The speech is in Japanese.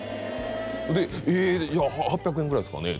で「いや８００円ぐらいですかね」